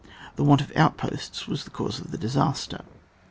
The want of outposts was the cause of the disaster.